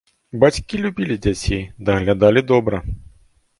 Бацькі любілі дзяцей, даглядалі добра.